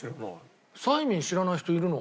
サイミン知らない人いるの？